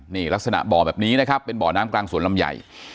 นี่ลักษณะบ่อแบบนี้นะครับเป็นบ่อน้ำกลางสวนลำใหญ่